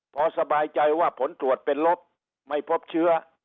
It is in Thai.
พอสบายใจว่าผลตรวจเป็นลบไม่พบเชื้อ